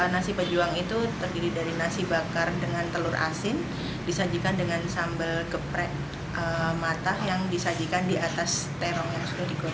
nasi pejuang itu terdiri dari nasi bakar dengan telur asin disajikan dengan sambal geprek mata yang disajikan di atas terong yang sudah digoreng